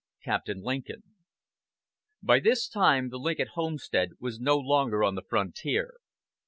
CAPTAIN LINCOLN. By this time the Lincoln homestead was no longer on the frontier.